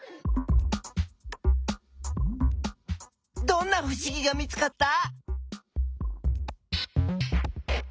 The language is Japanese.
どんなふしぎが見つかった？